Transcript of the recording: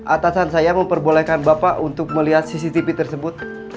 atasan saya memperbolehkan bapak untuk melihat cctv tersebut